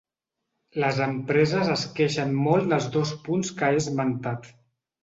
Les empreses es queixen molt dels dos punts que he esmentat.